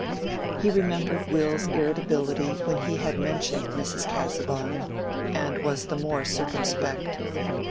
He remembered Will's irritability when he had mentioned Mrs. Casaubon, and was the more circumspect.